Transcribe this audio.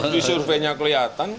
di surveinya kelihatan kok